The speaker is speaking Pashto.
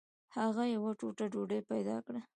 هغه یوه ټوټه ډوډۍ پیدا کړه.